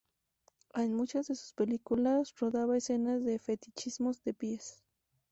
En muchas de sus películas rodaba escenas de fetichismo de pies.